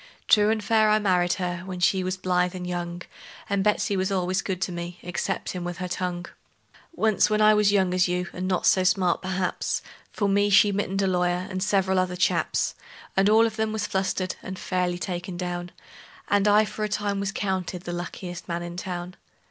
True and fair I married her, when she was blithe and young; And Betsey was al'ays good to me, exceptin' with her tongue. [ image not found: CarleFarmB 19, CarleFarmB 19 ] Once, when I was young as you, and not so smart, perhaps, For me she mittened a lawyer, and several other chaps; And all of them was flustered, and fairly taken down, And I for a time was counted the luckiest man in town.